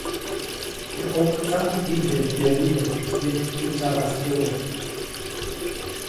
Teʼ ʼoktsaʼ jiʼndeʼe pyäwibä, yembe tsyabaskäwä.